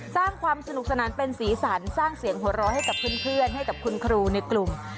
สร้างความสนุกสนานเป็นสีสันสร้างเสียงหัวเราะให้กับเพื่อนให้กับคุณครูในกลุ่ม